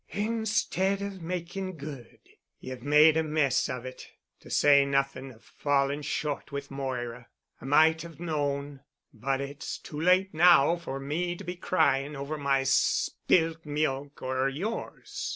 "Instead of making good—ye've made a mess of it—to say nothing of falling short with Moira. I might have known. But it's too late now for me to be crying over my spilt milk or yours.